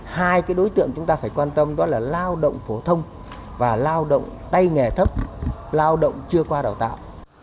hai đối tượng chúng ta phải quan tâm đó là lao động phổ thông và lao động tay nghề thấp lao động chưa qua đào tạo